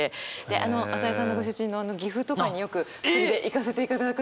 あの朝井さんのご出身の岐阜とかによく釣りで行かせていただくので。